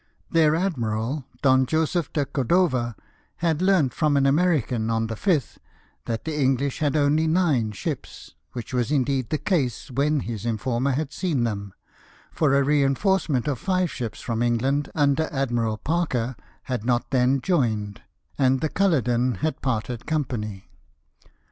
Their admiral, Don Joseph de Cordova, had learnt from an American, on the 5th, that the English had only nine ships, which was indeed the case when his informer had seen them, for a reinforcement of ^yq ships from England, under Admiral Parker, had not then joined, and the Gidloden had parted company.